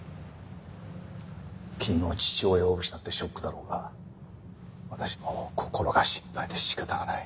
君も父親を失ってショックだろうが私もこころが心配で仕方がない。